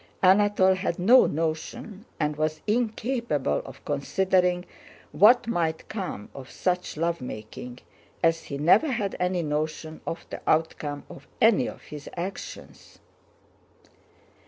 Anatole had no notion and was incapable of considering what might come of such love making, as he never had any notion of the outcome of any of his actions.